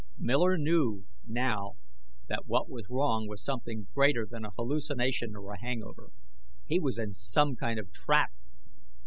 Miller knew, now, that what was wrong was something greater than a hallucination or a hangover. He was in some kind of trap.